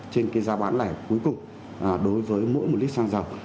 trên cái giá bán lẻ cuối cùng đối với mỗi một lít xăng dầu